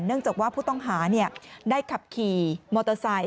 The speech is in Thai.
จากว่าผู้ต้องหาได้ขับขี่มอเตอร์ไซค